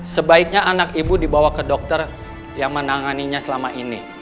sebaiknya anak ibu dibawa ke dokter yang menanganinya selama ini